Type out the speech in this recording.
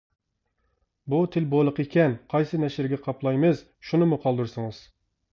بۇ تىل بولىقى ئىكەن، قايسى نەشرىگە قاپلايمىز، شۇنىمۇ قالدۇرسىڭىز.